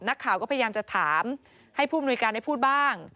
นักข่าวก็พยายามจะถามให้ผู้มนุยการได้พูดบ้าง